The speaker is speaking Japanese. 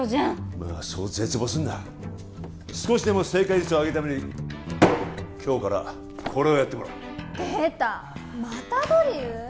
まあそう絶望すんな少しでも正解率を上げるために今日からこれをやってもらう出たまたドリル？